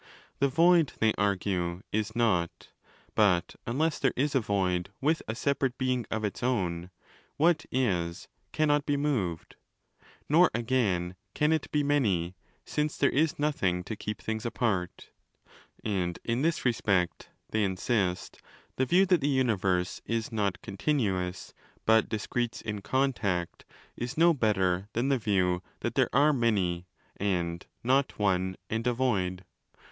The void, they argue, 'is not': but unless there is a void with a5 separate being of its own, 'what is' cannot be moved—nor again can it be 'many', since there is nothing to keep things apart. And in ¢his respect,® they insist, the view that the universe is not 'continuous' but ' discretes in con tact' * is no better than the view that there are 'many' (and not 'one') and a void.